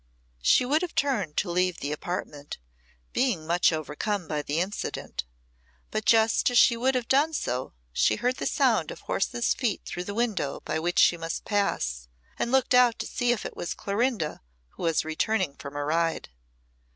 She would have turned to leave the apartment, being much overcome by the incident, but just as she would have done so she heard the sound of horses' feet through the window by which she must pass, and looked out to see if it was Clorinda who was returning from her ride.